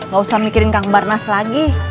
gak usah mikirin kang barnas lagi